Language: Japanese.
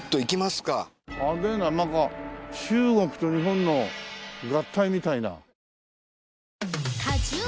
派手ななんか中国と日本の合体みたいな。